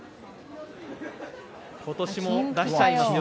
今年も出しちゃいますよ